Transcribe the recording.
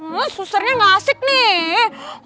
hah susernya gak asik nih